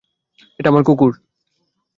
এটা আমার কুকুর!